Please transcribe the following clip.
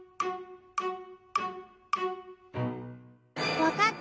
わかった！